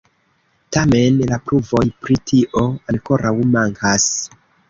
Tamen, la pruvoj pri tio ankoraŭ mankas.